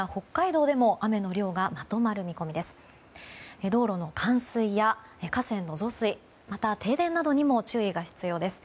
道路の冠水や河川の増水また停電などにも注意が必要です。